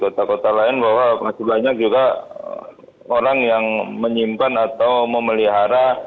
kota kota lain bahwa masih banyak juga orang yang menyimpan atau memelihara